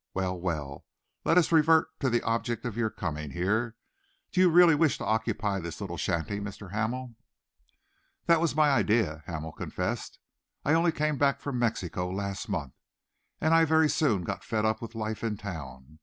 Well, well, let us revert to the object of your coming here. Do you really wish to occupy this little shanty, Mr. Hamel?" "That was my idea," Hamel confessed. "I only came back from Mexico last month, and I very soon got fed up with life in town.